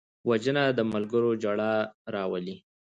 وژنه د ملګرو ژړا راولي